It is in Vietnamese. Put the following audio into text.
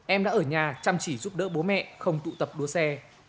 em đã ở nhà chăm chỉ giúp đỡ bố mẹ không tụ tập đua xe